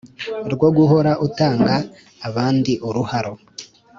rwo guhora utanga abandi uruharo.